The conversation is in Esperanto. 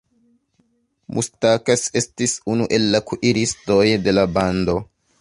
Mustakas estis unu el la kuiristoj de la bando.